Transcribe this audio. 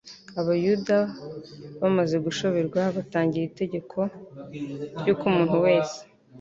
Abayuda bamaze gushoberwa batanga itegeko ry'uko umuntu wese